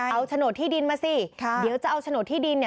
เอาโฉนดที่ดินมาสิเดี๋ยวจะเอาโฉนดที่ดิน